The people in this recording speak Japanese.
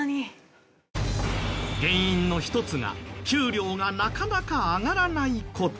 原因の一つが給料がなかなか上がらない事。